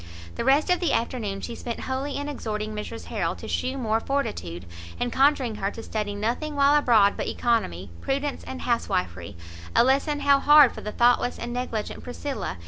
The rest of the afternoon she spent wholly in exhorting Mrs Harrel to shew more fortitude, and conjuring her to study nothing while abroad but oeconomy, prudence and housewifery; a lesson how hard for the thoughtless and negligent Priscilla!